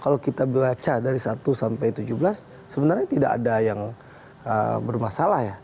kalau kita baca dari satu sampai tujuh belas sebenarnya tidak ada yang bermasalah ya